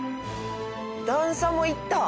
段差もいった！